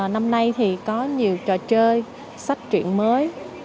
năm nay thì có nhiều trò chơi sách chuyện mới